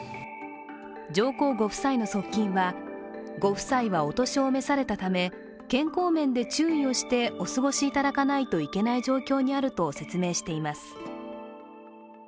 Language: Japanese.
上皇ご夫妻の側近は、ご夫妻はお年を召されたため健康面で注意をしてお過ごしいただかないといけない状況にあると説明しています。